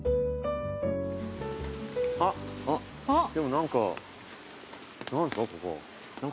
あっでも何か何すか